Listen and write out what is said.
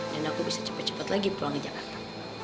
dan aku bisa cepet cepet lagi pulang ke jakarta